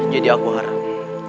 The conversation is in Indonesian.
jadi aku harap